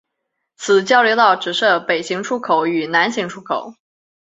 此交流道只设北行出口与南行入口。